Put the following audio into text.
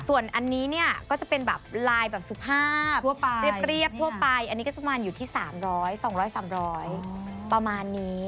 ส่วนอันนี้เนี่ยก็จะเป็นแบบลายแบบสุภาพเรียบทั่วไปอันนี้ก็สักประมาณอยู่ที่๓๐๐๒๐๐๓๐๐ประมาณนี้